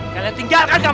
kalian tinggalkan kami